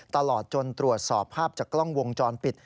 ตลอดจนตรวจสอบภาพจากกล้องวงจรปิด